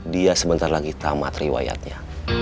dia sebentar lagi tamat riwayatnya